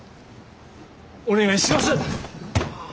お願いします！